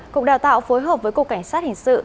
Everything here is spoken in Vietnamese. cục đào tạo phối hợp với cục cảnh sát hình sự